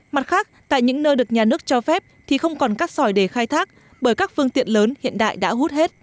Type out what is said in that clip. mặt khác tại những nơi được nhà nước cho phép thì không còn cát sỏi để khai thác bởi các phương tiện lớn hiện đại đã hút hết